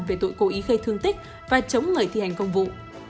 về tội cố ý gây thương tích và chống người thi hành công vụ